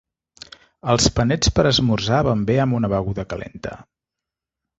Els panets per esmorzar van bé amb una beguda calenta.